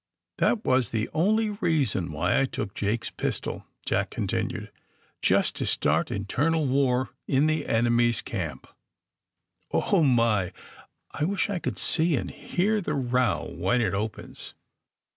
*'That was the only reason why I took Jake's pistol," Jack continued; ^^just to start internal war in the enemy's camp. Oh, my! I wish I could see and hear the row when it opens!"